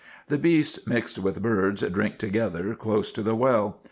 The beasts, mixed with birds, drink together close to the well.